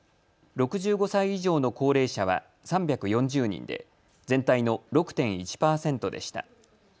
６５歳以上の高齢者は３４０人で全体の６．１％でした。